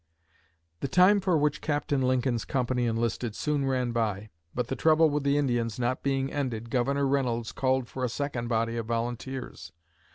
The time for which Captain Lincoln's company enlisted soon ran by, but the trouble with the Indians not being ended Governor Reynolds called for a second body of volunteers.